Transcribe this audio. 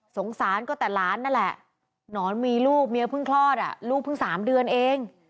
สงสารก็แต่หลานนั่นแหละหนอนมีลูกเมียเพิ่งคลอดลูกเพิ่ง๓เดือนเอง